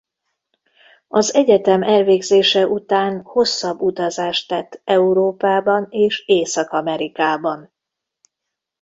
Az egyetem elvégzése után hosszabb utazást tett Európában és Észak-Amerikában.